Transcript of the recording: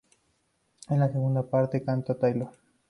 En la segunda parte, canta Taylor.